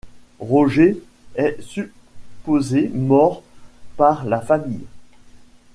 Roger est supposé mort par la famille.